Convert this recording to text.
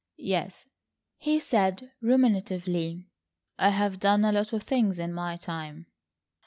"Yes," he said ruminatively; "I've done a lot of things in my time."